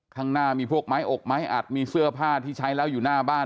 ข้างหน้ามีพวกไม้อกไม้อัดมีเสื้อผ้าที่ใช้แล้วอยู่หน้าบ้าน